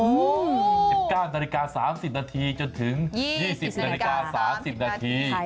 ๑๙นาฬิกา๓๐นาทีจนถึง๒๐นาฬิกา๓๐นาที